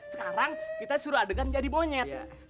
sekarang kita suruh adegan jadi monyet